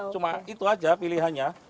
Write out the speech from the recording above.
cuma itu aja pilihannya